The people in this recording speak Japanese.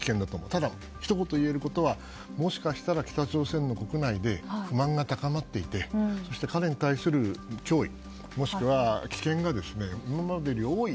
ただひと言、言うとすればもしかしたら北朝鮮の国内で不満が高まっていて彼に対する脅威もしくは危険が今までより多い。